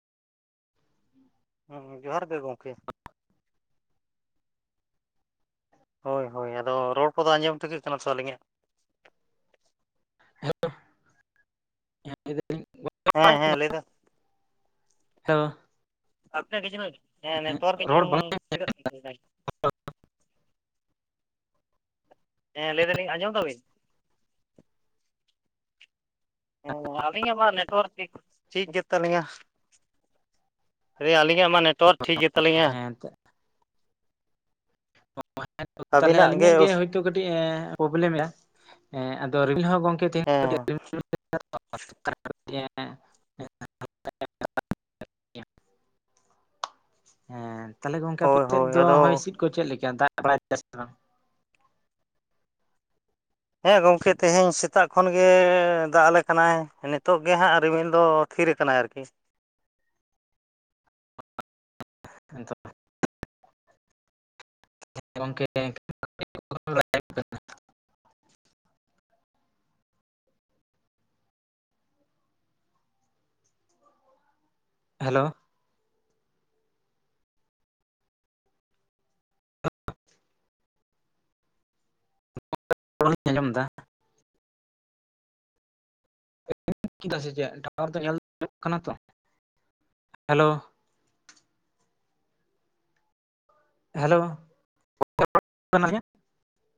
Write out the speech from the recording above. [inaudible] ᱦᱢ ᱦᱢ ᱡᱚᱦᱟᱨ ᱜᱮ ᱜᱚᱢᱠᱮ ᱾ ᱦᱳᱭ ᱦᱳᱭ ᱟᱫᱚ ᱨᱚᱲ ᱠᱚᱫᱚ ᱟᱸᱡᱚᱢ ᱴᱷᱤᱠᱟᱹᱜ ᱠᱟᱱᱟ ᱛᱚ ᱟᱹᱞᱤᱧᱟᱜ? ᱦᱮᱞᱳ ᱦᱮᱸ ᱞᱟᱹᱭ ᱫᱟᱹᱞᱤᱧ ᱦᱮᱸ ᱦᱮᱸ ᱞᱟᱹᱭ ᱫᱟᱼᱼ ᱦᱮᱞᱳ ᱾ ᱟᱹᱵᱤᱱᱟᱜ ᱠᱟᱹᱡ ᱪᱩᱞᱩᱝ ᱦᱮᱸ ᱱᱮᱴᱣᱟᱹᱠ ᱠᱟᱹᱡ ᱨᱚᱲ ᱵᱟᱝ ᱪᱩᱞᱩᱝ [unintelligible] ᱼᱼ ᱦᱮᱸ ᱞᱟᱹᱭ ᱫᱟᱞᱤᱧ ᱟᱸᱡᱚᱢ ᱫᱟᱵᱤᱱ? ᱦᱮᱸ ᱟᱹᱞᱤᱧᱟᱜ ᱢᱟ ᱱᱮᱴᱣᱟᱨᱠ ᱴᱷᱤᱠ ᱜᱮ ᱛᱟᱹᱞᱤᱧᱟ ᱾ ᱨᱮ ᱟᱹᱞᱤᱧᱟᱜ ᱢᱟ ᱱᱮᱴᱣᱟᱨᱠ ᱴᱷᱤᱠ ᱜᱮ ᱛᱟᱹᱞᱤᱧᱟ ᱾ ᱮᱱᱛᱮᱜ ᱚᱸ ᱦᱮᱸ ᱛᱚ ᱛᱟᱦᱚᱞᱮ ᱟᱹᱵᱤᱱᱟᱜ ᱟᱹᱞᱤᱧᱟᱜ ᱜᱮ ᱚᱥ ᱦᱚᱭᱛᱳ ᱠᱟᱹᱴᱤᱡ ᱮᱸ ᱯᱨᱚᱵᱞᱮᱢ ᱫᱟ ᱮᱸ ᱟᱫᱚ ᱨᱤᱢᱤᱞ ᱦᱚᱸᱼᱼ ᱜᱚᱝᱠᱮ ᱛᱮᱦᱮᱧ ᱦᱮᱸ [unintelligible] ᱦᱮᱸ ᱛᱟᱦᱚᱞᱮ ᱜᱚᱝᱠᱮ ᱟᱯᱮ ᱦᱳᱭ ᱥᱮᱫ ᱦᱳᱭ ᱫᱚ ᱟᱫᱚ ᱦᱚᱭ ᱦᱤᱸᱥᱤᱫ ᱠᱚ ᱪᱮᱫ ᱞᱮᱠᱟ ᱫᱟᱜ ᱵᱟᱲᱟᱭ ᱫᱟᱭ ᱥᱮ ᱵᱟᱝ? ᱦᱮᱸ ᱜᱚᱢᱠᱮ ᱛᱮᱦᱮᱧ ᱥᱮᱛᱟᱜ ᱠᱷᱚᱱ ᱜᱮ ᱫᱟᱜ ᱟᱞᱮ ᱠᱟᱱᱟᱭ ᱱᱤᱛᱚᱜ ᱜᱮ ᱦᱟᱸᱜ ᱨᱤᱢᱤᱞ ᱫᱚᱼᱼ ᱛᱷᱤᱨ ᱟᱠᱟᱱᱟᱭ ᱟᱨᱠᱤ ᱾ ᱮᱛᱚ ᱜᱚᱝᱠᱮ [unintelligible] ᱦᱮᱞᱳ ᱾ ᱨᱚᱲ ᱞᱤᱧ ᱟᱸᱡᱚᱢ ᱫᱟ ᱾ [unintelligible] ᱠᱮᱫᱟ ᱥᱮ ᱪᱮᱫ ᱴᱟᱣᱟᱨ ᱫᱚ ᱧᱮᱞ ᱫᱚ ᱧᱮᱞᱚᱜ ᱠᱟᱱᱟ ᱛᱚ, ᱦᱮᱞᱳ ᱾ ᱦᱮᱞᱳ [unintelligible]